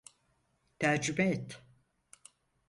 Tercüme et.